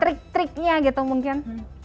trik triknya gitu mungkin